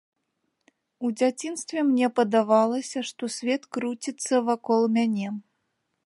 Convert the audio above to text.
У дзяцінстве мне падавалася, што свет круціцца вакол мяне.